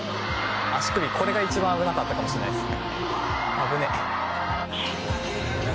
足首、これが一番危なかったかもしれないです。